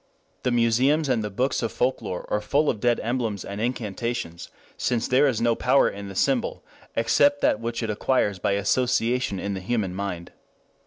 The museums and the books of folklore are full of dead emblems and incantations, since there is no power in the symbol, except that which it acquires by association in the human mind.